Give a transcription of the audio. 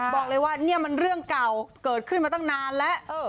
บอกเลยว่านี่มันเรื่องเก่าเกิดขึ้นมาตั้งนานแล้ว